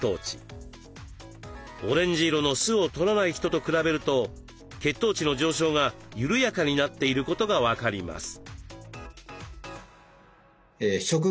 オレンジ色の酢をとらない人と比べると血糖値の上昇が緩やかになっていることが分かります。